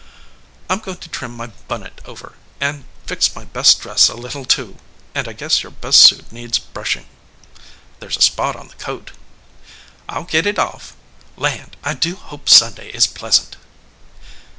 "I m goin to trim my bunnit over, and fix my best dress a little, too; and I guess your best suit needs brushin ." "There s a spot on the coat." "I ll git it off. Land! I do hope Sunday is pleasant."